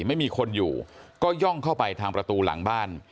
ไม่มีคนอยู่ก็ย่องเข้าไปทางประตูหลังบ้าน